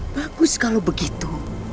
bagus kalau begitu